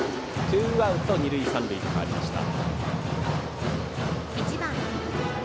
ツーアウト、二塁三塁と変わりました。